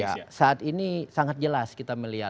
ya saat ini sangat jelas kita melihat